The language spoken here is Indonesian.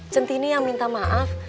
centini yang minta maaf